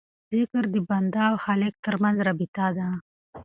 ذکر د بنده او خالق ترمنځ رابطه ده.